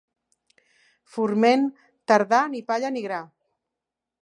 Forment tardà, ni palla ni gra.